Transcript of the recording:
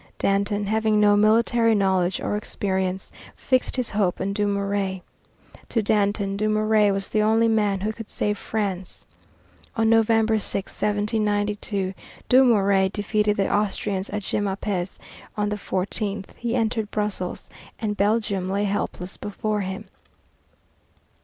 Danton, having no military knowledge or experience, fixed his hopes on Dumouriez. To Danton, Dumouriez was the only man who could save France. On November 6, 1792, Dumouriez defeated the Austrians at Jemmapes; on the 14th, he entered Brussels, and Belgium lay helpless before him.